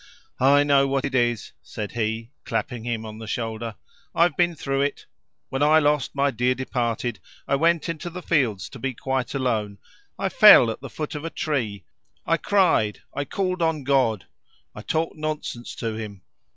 "I know what it is," said he, clapping him on the shoulder; "I've been through it. When I lost my dear departed, I went into the fields to be quite alone. I fell at the foot of a tree; I cried; I called on God; I talked nonsense to Him.